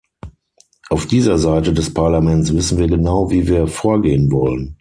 Auf dieser Seite des Parlaments wissen wir genau, wie wir vorgehen wollen.